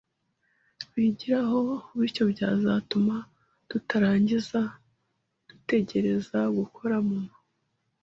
bigiraho bityo byazatuma tutarangiza dutekereza gukora muma